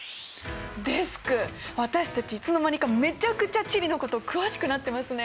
デスク私たちいつの間にかめちゃくちゃ地理のこと詳しくなってますね！